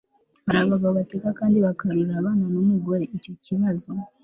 hari abagabo bateka kandi bakarurira abana n'umugore. icyo kibazo